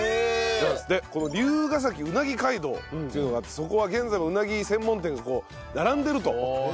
この龍ケ崎うなぎ街道というのがあってそこは現在もうなぎ専門店が並んでると。